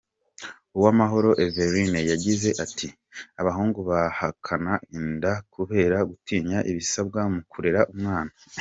Uwamahoro Everine yagize ati “Abahungu bahakana inda kubera gutinya ibisabwa mu kurera umwana.